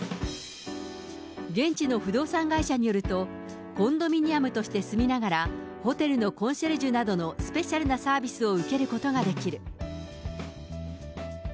現地の不動産会社によると、コンドミニアムとして住みながら、ホテルのコンシェルジュなどのスペシャルなサービスを受けることができる。